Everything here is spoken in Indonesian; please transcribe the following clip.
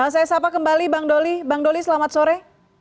saya sapa kembali bang doli bang doli selamat sore